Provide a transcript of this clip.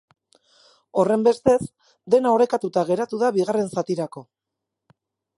Horrenbestez, dena orekatuta geratu da bigarren zatirako.